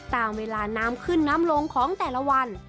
ตามเวลาน้ำขึ้นน้ำลงของแต่ละวัน